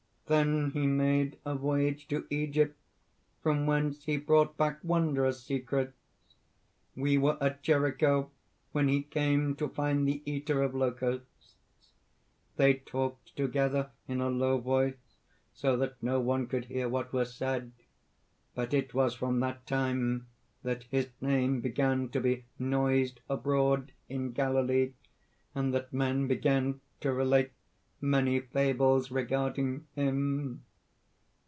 Then he made a voyage to Egypt, from whence he brought back wondrous secrets. We were at Jericho when he came to find the Eater of Locusts. They talked together in a low voice, so that no one could hear what was said. But it was from that time that his name began to be noised abroad in Galilee, and that men began to relate many fables regarding him."